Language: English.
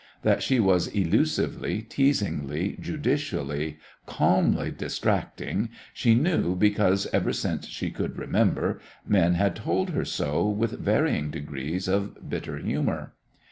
That she was elusively, teasingly, judicially, calmly distracting she knew because, ever since she could remember, men had told her so with varying degrees of bitter humour.